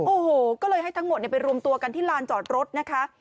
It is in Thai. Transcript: โอ้โหก็เลยให้ทั้งหมดไปรวมตัวกันที่ลานจอดรถนะคะ